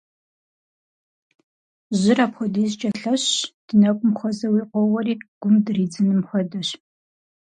Жьыр апхуэдизкӏэ лъэщщ, ди нэкӏум хуэзэуи къоуэри гум дыридзыным хуэдэщ.